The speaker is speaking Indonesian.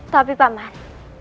tapi pak man